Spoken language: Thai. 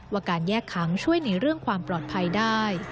ว่าการแยกขังช่วยในเรื่องความปลอดภัยได้